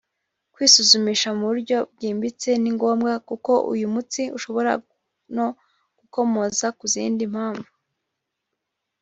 Kwisuzumisha mu buryo bwimbitse ni ngombwa kuko uyu mutsi ushobora no gukomoka ku zindi mpamvu